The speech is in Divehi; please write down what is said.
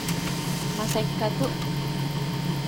މަަސައްކަތު